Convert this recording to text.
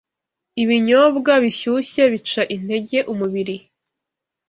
Ibinyobwa bishyushye bica intege umubiri